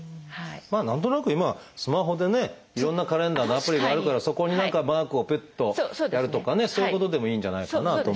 まあ何となく今はスマホでねいろんなカレンダーのアプリがあるからそこに何かマークをピッとやるとかねそういうことでもいいんじゃないかなと思ったり。